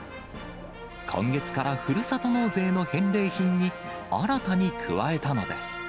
今月から、ふるさと納税の返礼品に、新たに加えたのです。